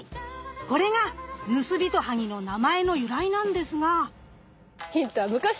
これがヌスビトハギの名前の由来なんですが。